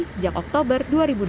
sejak oktober dua ribu dua puluh